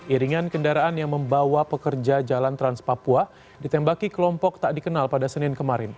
iringan kendaraan yang membawa pekerja jalan trans papua ditembaki kelompok tak dikenal pada senin kemarin